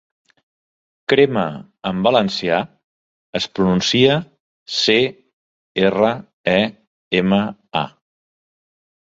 'Crema' en valencià es pronuncia: ce, erre, e, eme, a.